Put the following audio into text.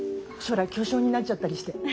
将来巨匠になっちゃったりして。